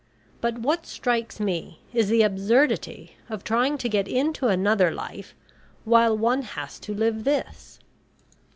But what strikes me is the absurdity of trying to get into another life while one has to live this.